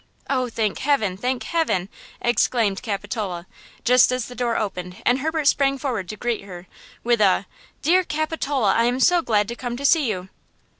"Oh, thank heaven! thank heaven!" exclaimed Capitola, just as the door opened and Herbert sprang forward to greet her with a– "Dear Capitola! I am so glad to come to see you!"